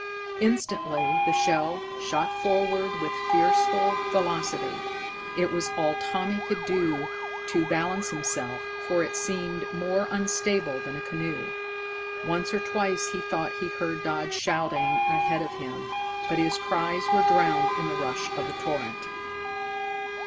Instantly the shell shot forward with fearful velocity. It was all Tommy could do to balance himself, for it seemed more unstable than a canoe. Once or twice he thought he heard Dodd shouting ahead of him, but his cries were drowned in the rush of the torrent.